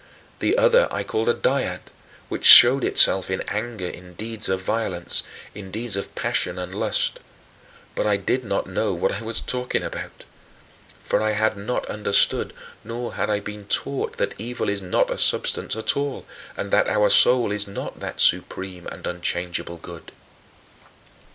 The other I called a Dyad, which showed itself in anger in deeds of violence, in deeds of passion and lust but I did not know what I was talking about. For I had not understood nor had I been taught that evil is not a substance at all and that our soul is not that supreme and unchangeable good.